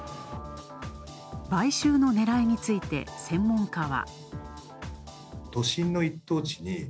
買収の狙いについて専門家は。